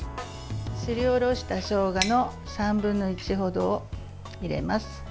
すりおろしたしょうがの３分の１ほどを入れます。